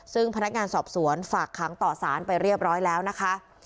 ซึ่งพนักงานสอบสวนฝากขังต่อสารไปเรียบร้อยแล้วนะคะ